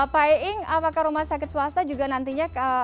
pak eing apakah rumah sakit swasta juga nantinya